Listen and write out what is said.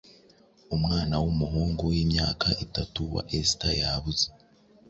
umwana w'umuhungu w'imyaka itatu wa esther yabuze